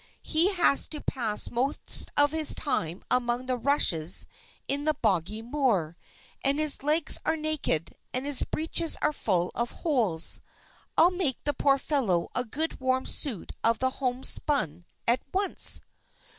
"He has to pass most of his time out among the rushes in the boggy moor, and his legs are naked, and his breeches are full of holes. I'll make the poor fellow a good warm suit of home spun, at once!"